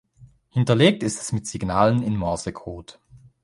Hinterlegt ist es mit Signalen in Morsecode.